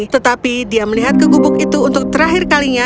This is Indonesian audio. tetapi dia melihat ke gubuk itu untuk terakhir kalinya